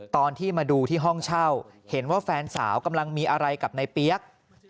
ตอนที่มาดูที่ห้องเช่าเห็นว่าแฟนสาวกำลังมีอะไรกับในเปี๊ยก